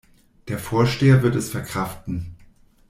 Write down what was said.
Der Vorsteher wird es verkraften.